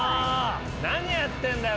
何やってんだよ